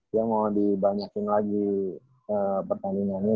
dia mau dibanyakin lagi pertandingannya